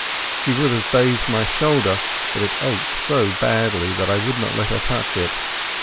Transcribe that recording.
She would have bathed my shoulder, but it ached so badly that I would not let her touch it.